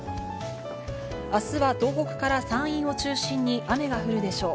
あすは東北から山陰を中心に雨が降るでしょう。